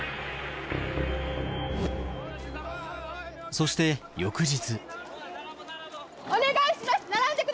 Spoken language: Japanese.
そして翌日。